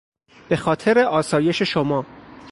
به خاطر آسایش شما...